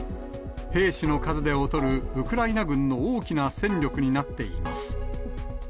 兵士の数で劣るウクライナ軍の大きな戦力になっています。